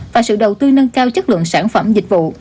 và sự đầu tư nâng cao chất lượng sản phẩm dịch vụ